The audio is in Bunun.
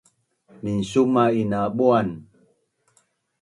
minsuma’in na buan